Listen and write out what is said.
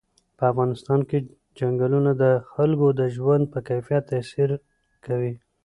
په افغانستان کې چنګلونه د خلکو د ژوند په کیفیت تاثیر کوي.